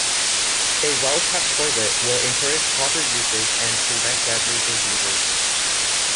A well-kept toilet will encourage proper usage and prevent deadly diseases.